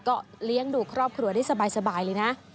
ก็เลี้ยงดูครอบครัวได้สบายเลยนะ